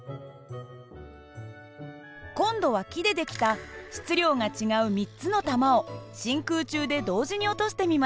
今度は木で出来た質量が違う３つの球を真空中で同時に落としてみます。